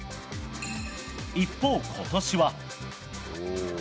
一方、今年は。